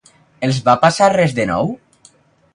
Els va passar res de nou?